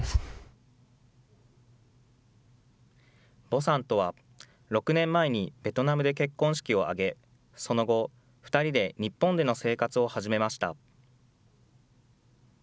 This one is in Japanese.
ヴォさんとは６年前にベトナムで結婚式を挙げ、その後、２人で日本での生活を始めました。